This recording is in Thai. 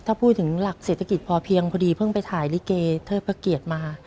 ถ้าพูดถึงหลักเศรษฐกิจพอเพียงพอดีเพิ่งไปถ่ายลิเกเทิดพระเกียรติมา